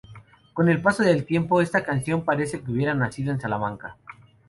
Con el paso del tiempo, esta canción parece que hubiera nacido en Salamanca.